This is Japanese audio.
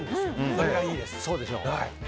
それがいいです。